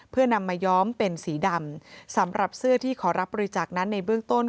เพื่อนำมาย้อมเป็นสีดำสำหรับเสื้อที่ขอรับบริจาคนั้นในเบื้องต้น